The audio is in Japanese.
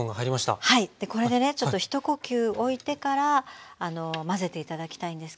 はいこれでねちょっと一呼吸おいてから混ぜて頂きたいんですけども。